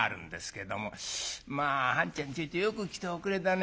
「まあ半ちゃんちょいとよく来ておくれだね。